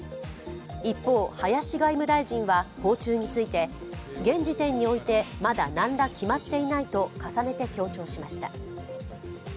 一方、林外務大臣は訪中について、現時点においてまだ何ら決まっていないと重ねて強調しました。